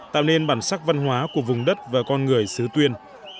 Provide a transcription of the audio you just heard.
tạo nên bản sắc văn hóa của vùng đất và con người xứ tuyên